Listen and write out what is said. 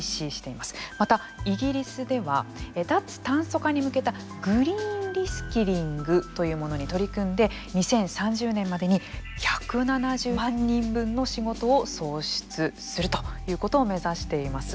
また、イギリスでは脱炭素化に向けたグリーン・リスキリングというものに取り組んで２０３０年までに１７０万人分の仕事を創出するということを目指しています。